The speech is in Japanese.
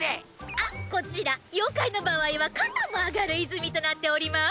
あっこちら妖怪の場合は肩も上がる泉となっております。